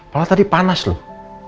malah tadi panas loh